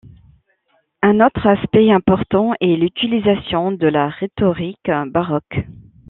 Un autre aspect important est l'utilisation de la rhétorique baroque.